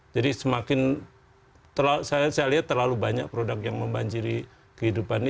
jadi semakin saya lihat terlalu banyak produk yang membanjiri kehidupan ini